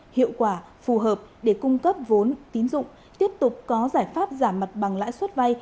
hiệu quả phù hợp để cung cấp vốn tín dụng tiếp tục có giải pháp giảm mặt bằng lãi suất vay